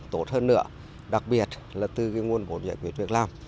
tốt hơn nữa đặc biệt là từ nguồn phổn giải quyết việc làm